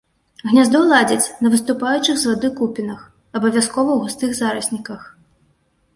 Гняздо ладзяць на выступаючых з вады купінах, абавязкова ў густых зарасніках.